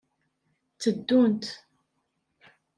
Tteddunt.